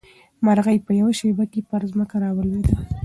مرغۍ په یوه شېبه کې پر ځمکه راولوېده.